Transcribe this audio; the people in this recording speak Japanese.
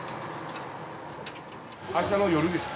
あしたの夜です。